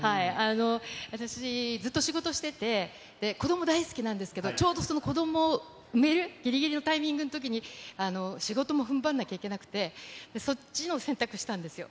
私、ずっと仕事してて、子ども大好きなんですけど、ちょうどその子ども産めるぎりぎりのタイミングのときに仕事もふんばんなきゃいけなくて、そっちのほう選択したんですよ。